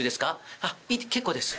あっ、いい、結構です。